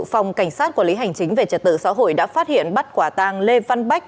phòng cảnh sát quản lý hành chính về trật tự xã hội đã phát hiện bắt quả tàng lê văn bách